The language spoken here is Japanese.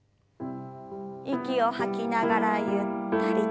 息を吐きながらゆったりと。